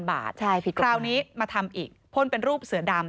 ใช่ผิดประมาณนี้คราวนี้มาทำอีกพ่นเป็นรูปเสือดำ